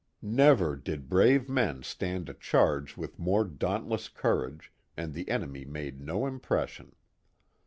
Never did brave men stand a charge with more dauntless courage, and the enemy made no impression.